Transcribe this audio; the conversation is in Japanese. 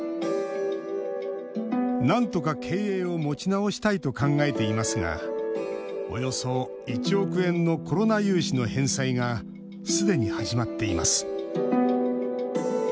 なんとか経営を持ち直したいと考えていますがおよそ１億円のコロナ融資の返済がすでに始まっています。